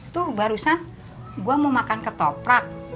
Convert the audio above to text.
tuh barusan gua mau makan ke toprak